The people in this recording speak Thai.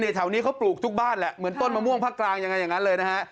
แถวนี้เขาปลูกทุกบ้านแหละเหมือนต้นมะม่วงภาคกลางยังไงอย่างนั้นเลยนะฮะ